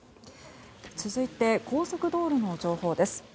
続いて、高速道路の情報です。